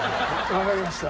わかりました。